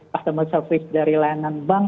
customer service dari layanan bank